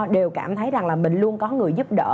đều cảm thấy rằng là mình luôn có người giúp đỡ